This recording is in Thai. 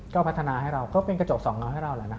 ก็พัฒนาให้เราก็เป็นกระจกสองเงาให้เราแหละนะ